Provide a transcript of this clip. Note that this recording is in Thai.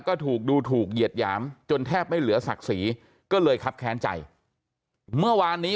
ก็ถูกดูถูกเหยียดหยามจนแทบไม่เหลือศักดิ์ศรีก็เลยครับแค้นใจเมื่อวานนี้